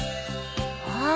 あっ！